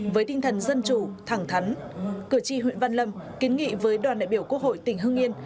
với tinh thần dân chủ thẳng thắn cử tri huyện văn lâm kiến nghị với đoàn đại biểu quốc hội tỉnh hưng yên